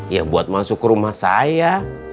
ya buat masuk ke rumah saya